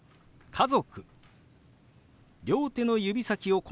「家族」。